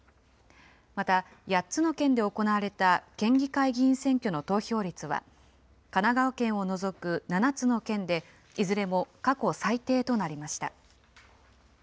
また、８つの県で行われた県議会議員選挙の投票率は、神奈川県を除く７つの県で、いずれも過去最低となりました。